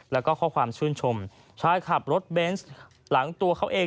แล้วก็ข้อความชื่นชมชายขับรถเบนส์หลังตัวเขาเอง